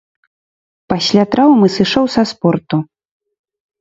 Пасля траўмы сышоў са спорту.